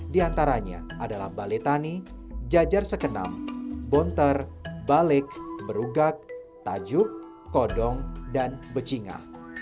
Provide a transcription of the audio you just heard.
di antaranya adalah bale tani jajar sekenam bonter balik berugak tajuk kodong dan becinga